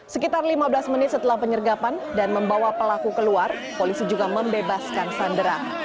sekitar lima belas menit setelah penyergapan dan membawa pelaku keluar polisi juga membebaskan sandera